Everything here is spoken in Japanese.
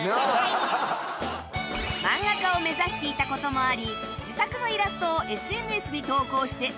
漫画家を目指していた事もあり自作のイラストを ＳＮＳ に投稿して大バズり！